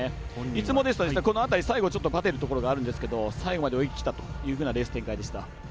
いつもですと、最後ばてるところがあるんですけど最後まで泳ぎきったというふうなレース展開でした。